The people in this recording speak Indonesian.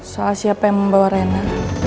soal siapa yang membawa rena